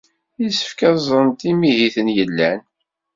Yessefk ad ẓrent imihiten yellan.